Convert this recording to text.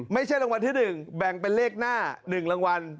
ไม่ใช่รางวัลที่๑แบ่งเป็นเลขหน้า๑รางวัล